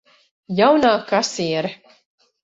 Jaunā kasiere.